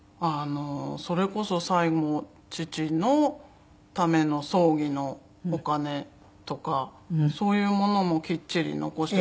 それこそ最後父のための葬儀のお金とかそういうものもきっちり残して。